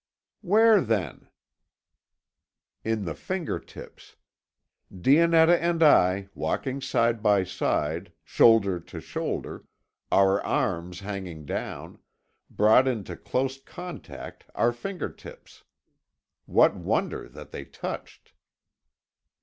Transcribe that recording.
"Where, then?" "In the finger tips. Dionetta and I, walking side by side, shoulder to shoulder, our arms hanging down, brought into close contact our finger tips. What wonder that they touched!"